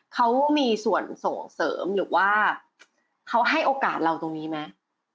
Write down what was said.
เขามีส่วนส่งเสริมหรือว่าเขาให้โอกาสเราตรงนี้ไหม